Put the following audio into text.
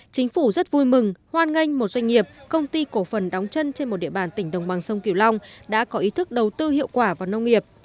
chính phủ rất vui mừng hoan nghênh một doanh nghiệp công ty cổ phần đóng chân trên một địa bàn tỉnh đồng bằng sông kiều long đã có ý thức đầu tư hiệu quả vào nông nghiệp